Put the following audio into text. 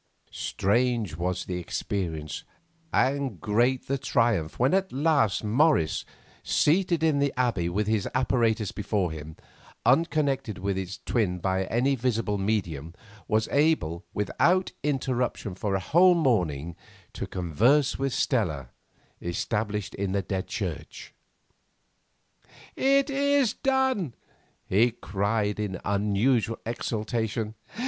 Strange was the experience and great the triumph when at last Morris, seated in the Abbey with his apparatus before him, unconnected with its twin by any visible medium, was able without interruption for a whole morning to converse with Stella established in the Dead Church. "It is done," he cried in unusual exultation.